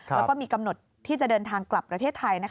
แล้วก็มีกำหนดที่จะเดินทางกลับประเทศไทย